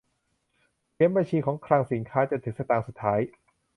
เขียนบัญชีของคลังสินค้าจนถึงสตางค์สุดท้าย